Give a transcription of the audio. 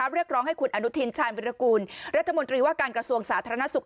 เรียกร้องให้คุณอนุทินชาญวิรากูลรัฐมนตรีว่าการกระทรวงสาธารณสุข